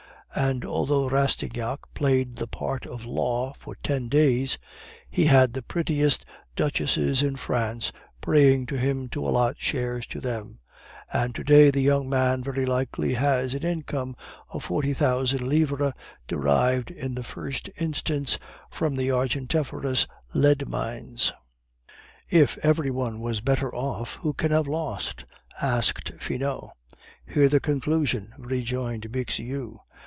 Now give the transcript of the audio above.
And altogether Rastignac played the part of Law for ten days; he had the prettiest duchesses in France praying to him to allot shares to them, and to day the young man very likely has an income of forty thousand livres, derived in the first instance from the argentiferous lead mines." "If every one was better off, who can have lost?" asked Finot. "Hear the conclusion," rejoined Bixiou.